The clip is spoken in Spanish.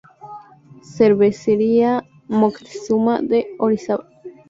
Cervecería Moctezuma de Orizaba.